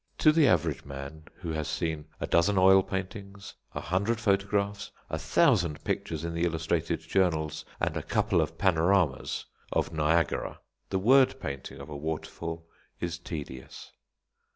To the average man, who has seen a dozen oil paintings, a hundred photographs, a thousand pictures in the illustrated journals, and a couple of panoramas of Niagara, the word painting of a waterfall is tedious.